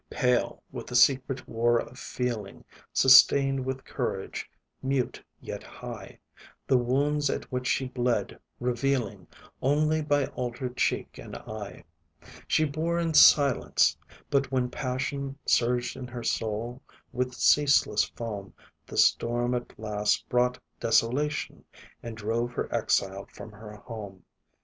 Pale with the secret war of feeling, Sustained with courage, mute, yet high; The wounds at which she bled, revealing Only by altered cheek and eye; She bore in silence but when passion Surged in her soul with ceaseless foam, The storm at last brought desolation, And drove her exiled from her home.